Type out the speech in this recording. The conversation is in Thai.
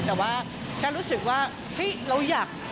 แต่ว่าแค่รู้สึกว่าเฮ้ยเราอยาก